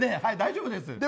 はい、大丈夫です。